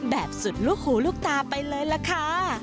แบบสุดลูกหูลูกตาไปเลยล่ะค่ะ